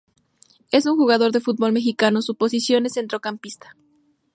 Es un jugador de fútbol mexicano su posición es Centrocampista.